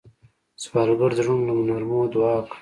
سوالګر د زړونو له نرمو دعا کوي